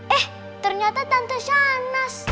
eh ternyata tante sanas